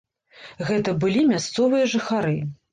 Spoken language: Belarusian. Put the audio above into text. Гэта былі мясцовыя жыхары.